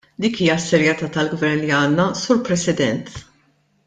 Dik hija s-serjetà tal-Gvern li għandna, Sur President!